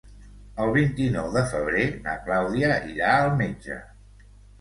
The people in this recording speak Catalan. El vint-i-nou de febrer na Clàudia irà al metge.